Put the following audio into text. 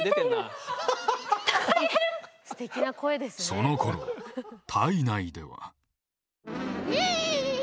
そのころ体内では。